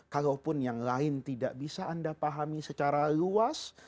kalaupun yang lain tidak bisa anda pahami secara luas